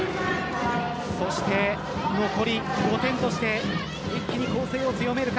そして残り５点として一気に攻勢を強めるか。